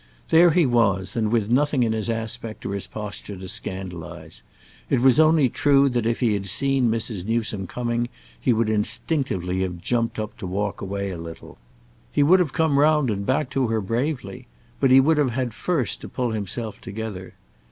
There he was, and with nothing in his aspect or his posture to scandalise: it was only true that if he had seen Mrs. Newsome coming he would instinctively have jumped up to walk away a little. He would have come round and back to her bravely, but he would have had first to pull himself together.